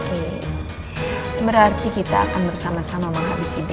oke berarti kita akan bersama sama menghabisi